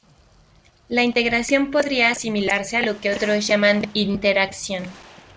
La integración podría asimilarse a lo que otros llaman interacción.